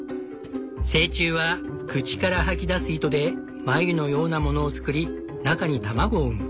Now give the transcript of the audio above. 成虫は口から吐き出す糸でまゆのようなものを作り中に卵を産む。